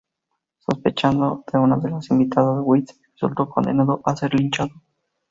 Sospechando de una de las invitadas, West resulta condenado a ser linchado.